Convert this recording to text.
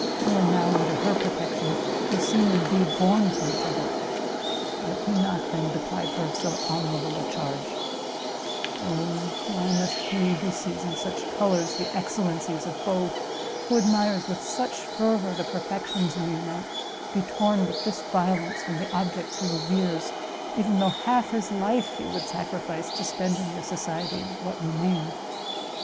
you are now under her protection, you seem, indeed, born for each other; let me not, then, deprive her of so honourable a charge Oh, why must he, who sees in such colours the excellencies of both, who admires with such fervour the perfections you unite, be torn with this violence from the objects he reveres, even though half his life he would sacrifice, to spend in their society what remained!"